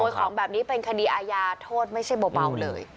ของแบบนี้เป็นคดีอาญาโทษไม่ใช่เบาเลย